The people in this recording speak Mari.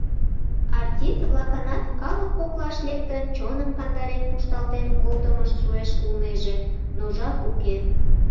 Артист-влакынат, калык коклаш лектын, чоным кандарен кушталтен колтымышт шуэш улнеже, но жап уке.